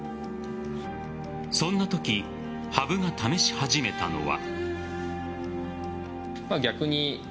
そんなとき羽生が試し始めたのは。